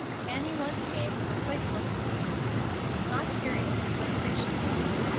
Annie once gave him a quick look of sympathy, not curious but appreciative.